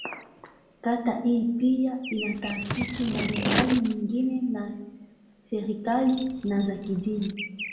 Kata hii pia ina taasisi mbalimbali nyingine za serikali, na za kidini.